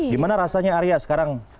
gimana rasanya arya sekarang